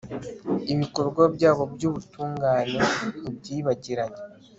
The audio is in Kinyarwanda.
ibikorwa byabo by'ubutungane ntibyibagiranye